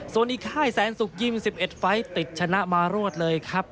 ส่วนอีกค่ายแสนสุกยิม๑๑ไฟล์ติดชนะมารวดเลยครับ